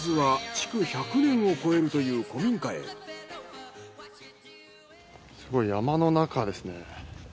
まずはすごい山の中ですね。